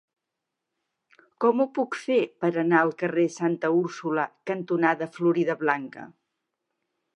Com ho puc fer per anar al carrer Santa Úrsula cantonada Floridablanca?